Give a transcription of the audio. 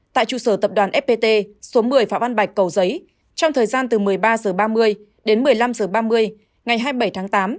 tại trụ sở tập đoàn fpt số một mươi phạm văn bạch cầu giấy trong thời gian từ một mươi ba h ba mươi đến một mươi năm h ba mươi ngày hai mươi bảy tháng tám